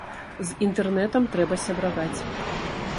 З інтэрнэтам трэба сябраваць.